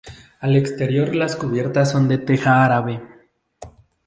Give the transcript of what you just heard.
Al exterior las cubiertas son de teja árabe.